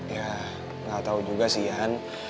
ya enggak tahu juga sih yan